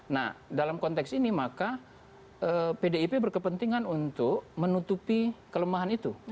nah dalam konteks ini maka pdip berkepentingan untuk menutupi kelemahan itu